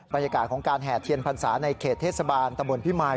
บรรยากาศของการแห่เทียนพรรษาในเขตเทศบาลตะบนพิมาย